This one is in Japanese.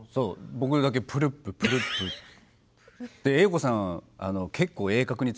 僕だけプルッププルップ言って。